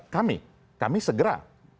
kami kami segera